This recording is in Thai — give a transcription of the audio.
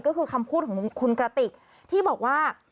ก็คือคำพูดของคุณกระติกที่บอกว่า